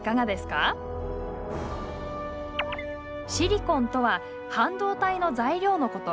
「シリコン」とは半導体の材料のこと。